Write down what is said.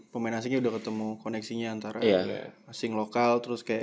pemain asingnya udah ketemu koneksinya antara asing lokal terus kayak